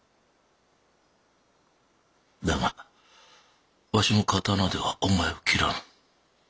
だがわしの刀ではお前を斬らぬ。